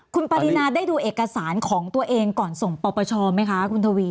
คุณปรินาได้ดูเอกสารของตัวเองก่อนส่งปปชไหมคะคุณทวี